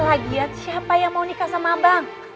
lagi ya siapa yang mau nikah sama abang